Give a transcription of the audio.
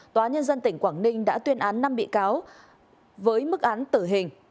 tòa nhân dân tỉnh quảng ninh đã tuyên án năm bị cáo với mức án tử hình